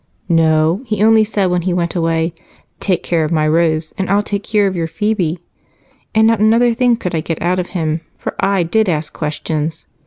"No, he only said when he went away, 'Take care of my Rose, and I'll take care of your Phebe,' and not another thing could I get out of him, for I did ask questions.